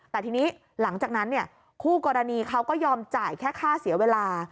แต่ทีนี้หลังจากนั้นคู่กรณีเขาก็ยอมจ่ายแค่ค่าเสียเวลา